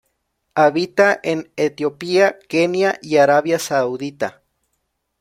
Habita en Etiopía, Kenia y Arabia Saudita.